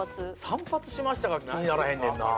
「散髪しました。」が気にならへんねんな。